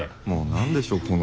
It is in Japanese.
もう何でしょう